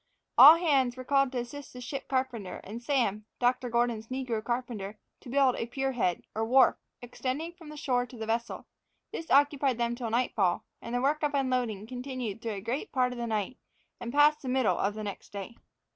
All hands were called to assist the ship carpenter and Sam (Dr. Gordon's negro carpenter), to build a pier head, or wharf, extending from the shore to the vessel; this occupied them till nightfall, and the work of unlading continued through a great part of the night, and past the middle of the next day.